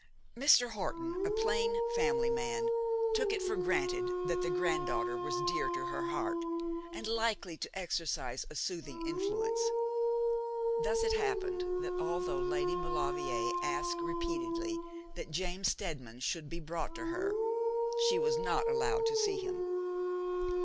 Mr. Horton, a plain family man, took it for granted that the granddaughter was dear to her heart, and likely to exercise a soothing influence. Thus it happened that although Lady Maulevrier asked repeatedly that James Steadman should be brought to her, she was not allowed to see him.